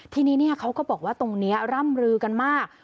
ทีนี้เขาก็บอกว่าตรงนี้ร่ำลือกันมาก